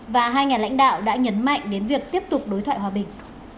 và hai nhà lãnh đạo đã nhấn mạnh đến việc tiếp tục đối thoại hòa bình